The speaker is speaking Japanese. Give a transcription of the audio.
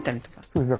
そうです。